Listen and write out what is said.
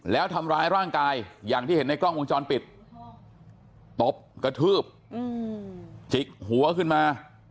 แล้วทำร้ายร่างกายอย่างที่เห็นในกล้องวงจรปิดตบกระทืบจิกหัวขึ้นมา